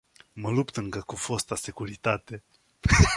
Mă lupt încă cu fosta securitate.